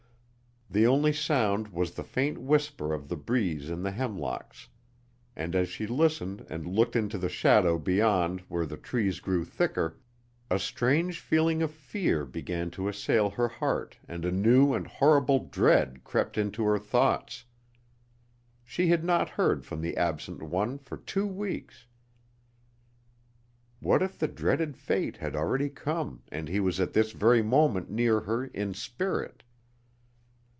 The only sound was the faint whisper of the breeze in the hemlocks, and as she listened and looked into the shadow beyond where the trees grew thicker, a strange feeling of fear began to assail her heart and a new and horrible dread crept into her thoughts. She had not heard from the absent one for two weeks what if the dreaded fate had already come and he was at this very moment near her in spirit?